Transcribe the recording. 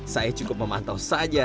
saya cukup memantau saja